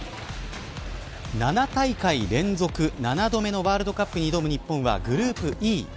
７大会連続７度目のワールドカップに挑む日本はグループＥ。